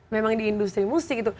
memang di industri musik itu